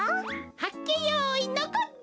はっけよいのこった！